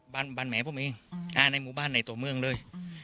บ้านแหมผมเองในหมู่บ้านในตัวเมืองเลย